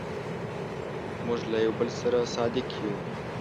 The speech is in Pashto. موږ له یو بل سره صادق یو.